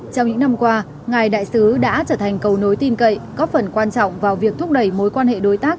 trong những năm qua ngài đại sứ đã trở thành cầu nối tin cậy góp phần quan trọng vào việc thúc đẩy mối quan hệ đối tác